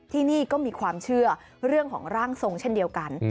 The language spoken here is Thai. ที่นี่ก็มีความเชื่อเรื่องของร่างทรงเช่นเดียวกัน